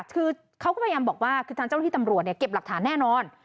คือเขาก็พยายามบอกว่าคือทางเจ้าที่ตำรวจเนี่ยเก็บหลักฐานแน่นอน